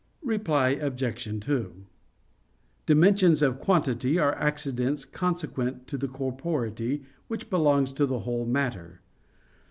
Reply Obj. 2: Dimensions of quantity are accidents consequent to the corporeity which belongs to the whole matter.